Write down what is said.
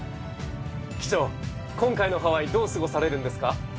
機長今回のハワイどう過ごされるんですか？